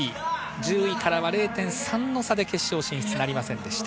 １０位からは０．３の差で決勝進出なりませんでした。